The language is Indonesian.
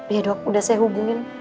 ya dok udah saya hubungin